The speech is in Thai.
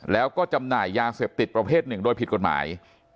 แล้วก็จำหน่ายยาเสพติดประเภทหนึ่งโดยผิดกฎหมาย